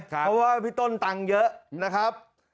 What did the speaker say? เพราะว่าพี่ต้นตังค์เยอะนะครับ